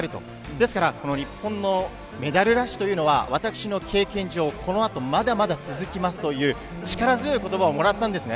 ですから、この日本のメダルラッシュというのは、私の経験上、このあとまだまだ続きますという、力強いことばをもらったんですね。